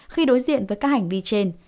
khi đối diện với các hành vi trên